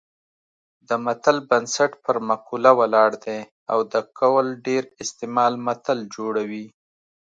د متل بنسټ پر مقوله ولاړ دی او د قول ډېر استعمال متل جوړوي